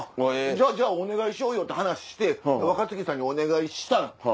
じゃあお願いしようって話して若槻さんにお願いした。